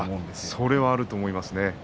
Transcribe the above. それはあると思います。